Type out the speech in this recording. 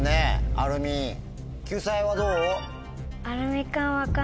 アルミ救済はどう？